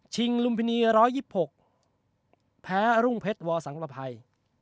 ชิงลุมพินีร้อยยิบหกแพ้รุ่งเพชรวสังประภัย